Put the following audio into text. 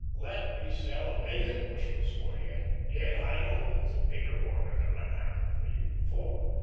Let me sell a million bushels for you. Yes, I know it's a bigger order than I've handled for you before.